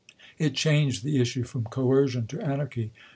It changed the issue from coercion to an archy.